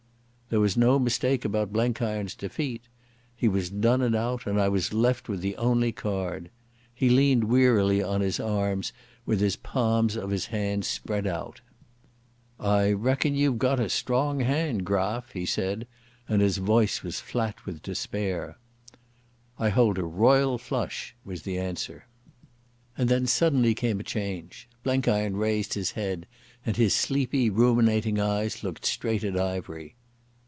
There was no mistake about Blenkiron's defeat. He was done and out, and I was left with the only card. He leaned wearily on his arms with the palms of his hands spread out. "I reckon you've gotten a strong hand, Graf," he said, and his voice was flat with despair. "I hold a royal straight flush," was the answer. And then suddenly came a change. Blenkiron raised his head, and his sleepy, ruminating eyes looked straight at Ivery.